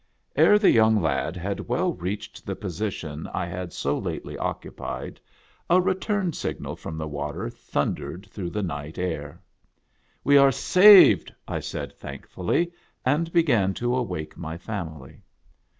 Ere the young lad had well reached the position 1 had so lately occupied, a return signal from the water thundered through the night air. "We are saved," I said thankfully, and began to awake my family.